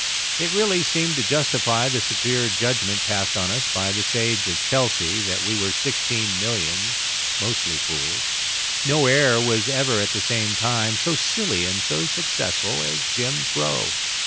It really seemed to justify the severe judgment passed on us by the sage of Chelsea, that we were "sixteen millions, mostly fools." No air was ever at the same time so silly and so successful as "Jim Crow."